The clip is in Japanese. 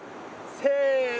せの。